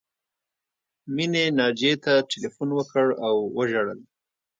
مینې ناجیې ته ټیلیفون وکړ او وژړل